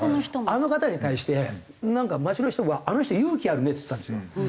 あの方に対してなんか街の人は「あの人勇気あるね」っつったんですよ。